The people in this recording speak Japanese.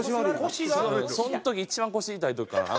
その時一番腰痛い時かな。